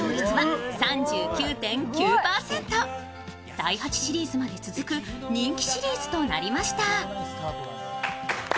第８シリーズまで続く人気シリーズとなりました。